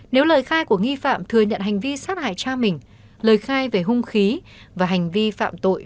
nếu lời khai của nghi phạm thừa nhận hành vi sát hại cha mình lời khai về hung khí và hành vi phạm tội